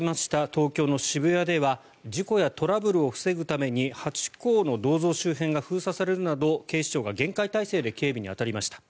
東京の渋谷では事故やトラブルを防ぐためにハチ公の銅像周辺が封鎖されるなど、警視庁が厳戒態勢で警戒に当たりました。